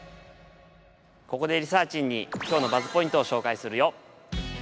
ここでリサーちんに今日のＢＵＺＺポイントを紹介するよ